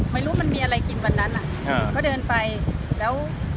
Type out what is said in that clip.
ไม่รู้มันมีอะไรกินบันนั้นอ่ะอ่าก็เดินไปแล้ว